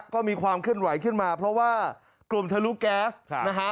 ก็มีความเคลื่อนไหวขึ้นมาเพราะว่ากลุ่มทะลุแก๊สนะฮะ